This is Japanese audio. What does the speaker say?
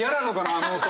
あの音。